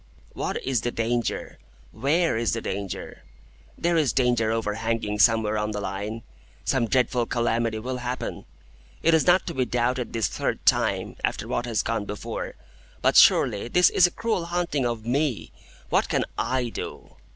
"What is the danger? Where is the danger? There is danger overhanging somewhere on the Line. Some dreadful calamity will happen. It is not to be doubted this third time, after what has gone before. But surely this is a cruel haunting of me. What can I do?"